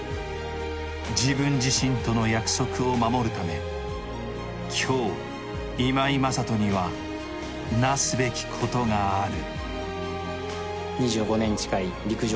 自分自身との約束を守るため、今日、今井正人にはなすべきことがある。